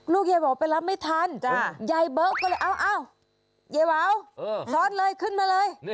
ยายบอกไปรับไม่ทันยายเบิร์ตก็เลยเอ้ายายวาวซ้อนเลยขึ้นมาเลย